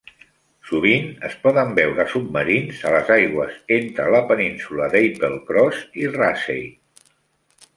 Sovint es poden veure submarins a les aigües entre la península d'Applecross i Raasay.